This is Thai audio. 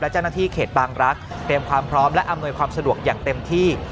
เจ้าหน้าที่เขตบางรักษ์เตรียมความพร้อมและอำนวยความสะดวกอย่างเต็มที่